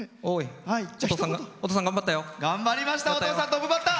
トップバッター。